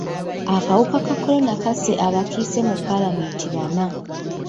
Akawuka ka kolona kasse abakiise mu paalamenti bana.